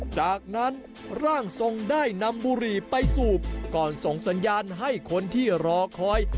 จากนั้นร่างทรงได้นำบุหรี่ไปสูบก่อนส่งสัญญาณให้คนที่รอคอย